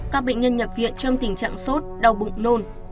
các bệnh nhân nhập viện trong tình trạng sốt đau bụng nôn